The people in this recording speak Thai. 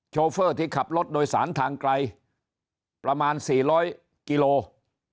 ชอเฟอร์ที่ขับรถโดยสารทางไกลประมาณ๔๐๐กิโลกรัม